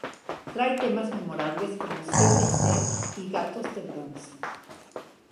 Trae temas memorables como "Sed de sed" y "Gatos de bronce".